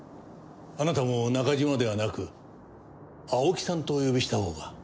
あなたも中島ではなく青木さんとお呼びしたほうが？